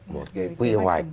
một cái quy hoạch